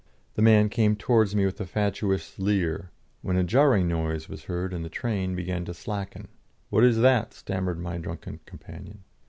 The man came towards me with a fatuous leer, when a jarring noise was heard and the train began to slacken. "What is that?" stammered my drunken companion.